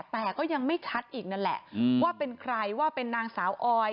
แต่ก็ยังไม่ชัดอีกนั่นแหละว่าเป็นใครว่าเป็นนางสาวออย